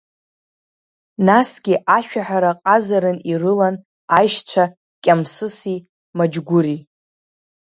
Насгьы ашәаҳәара ҟазаран ирылан аишьцәа Кьамсыси Маџьгәыри.